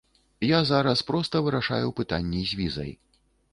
Я зараз проста вырашаю пытанні з візай.